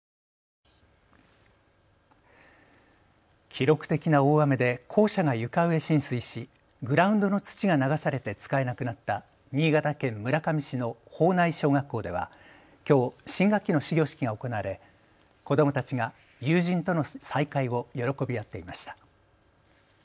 記録的な大雨で校舎が床上浸水しグラウンドの土が流されて使えなくなった新潟県村上市の保内小学校ではきょう新学期の始業式が行われ子どもたちが友人との再会を喜び合っていました。